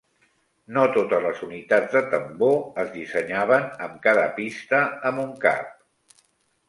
No totes les unitats de tambor es dissenyaven amb cada pista amb un cap.